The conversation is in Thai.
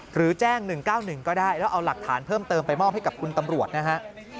หรือแจ้ง๑๙๑ก็ได้แล้วเอาหลักฐานเพิ่มเติมไปมอบให้กับคุณตำรวจนะฮะ